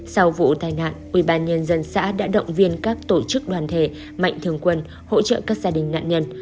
sau vụ tai nạn ủy ban nhân dân xã đã động viên các tổ chức đoàn thể mạnh thường quân hỗ trợ các gia đình nạn nhân